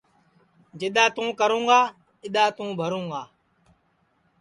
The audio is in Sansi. جِدؔا تُوں کرُوں گا اِدؔا تُوں بھرُوں گا